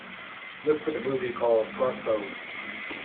Looking for the movie called Crossbones